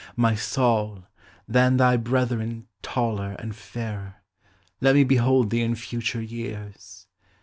My Saul, than thy brethren taller and fairer, Let me behold thee in future years!